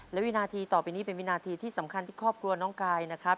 และวินาทีต่อไปนี้เป็นวินาทีที่สำคัญที่ครอบครัวน้องกายนะครับ